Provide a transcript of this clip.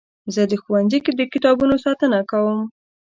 زه د ښوونځي د کتابونو ساتنه کوم.